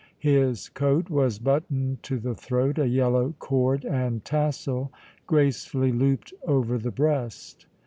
His coat was buttoned to the throat, a yellow cord and tassel gracefully looped over the breast.